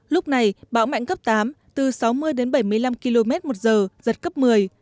lúc này bão mạnh cấp tám từ sáu mươi đến bảy mươi năm km một giờ giật cấp một mươi